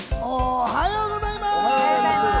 おはようございます！